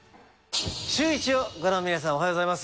シューイチをご覧の皆さんおはようございます。